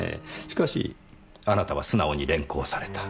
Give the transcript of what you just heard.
しかしあなたは素直に連行された。